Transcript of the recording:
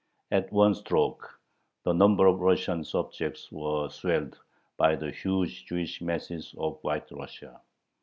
At one stroke the number of Russian subjects was swelled by the huge Jewish masses of White Russia.